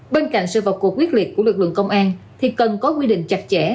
bên cạnh sự vật cuộc quyết liệt của lực lượng công an thì cần có quy định chặt chẽ